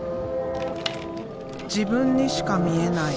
自分にしか見えない